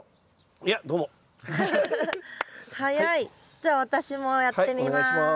じゃあ私もやってみます。